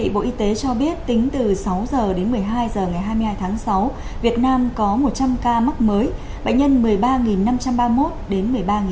bộ y tế cho biết tính từ sáu h đến một mươi hai h ngày hai mươi hai tháng sáu việt nam có một trăm linh ca mắc mới bệnh nhân một mươi ba năm trăm ba mươi một đến một mươi ba